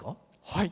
はい。